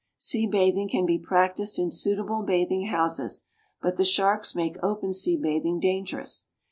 Sea bathing can be practised in suitable bathing houses; but the sharks make open sea bathing dangerous.